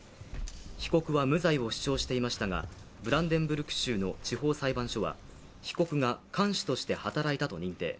被告は無罪を主張していましたが、ブランデンブルク州の地方裁判所は被告が看守として働いたと認定。